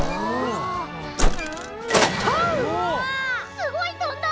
すごいとんだ！